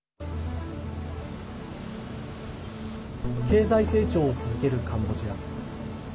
経済成長を続けるカンボジア。